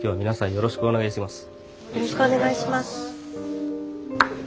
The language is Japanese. よろしくお願いします。